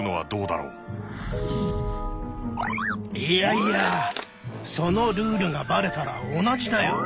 いやいやそのルールがバレたら同じだよ！